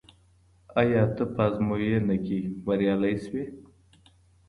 آیا ته په ازموينه کي بريالی سوې؟